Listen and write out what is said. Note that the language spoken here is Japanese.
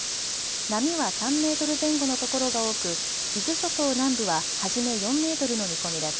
波は３メートル前後の所が多く、伊豆諸島南部は初め４メートルの見込みです。